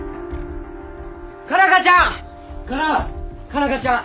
佳奈花ちゃん！